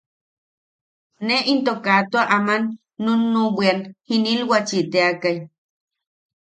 Ne into kaa tua aman nunnuʼubwian jinilwachi teakai.